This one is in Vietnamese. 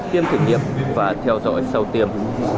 tiêm thử nghiệm và theo dõi sau tiêm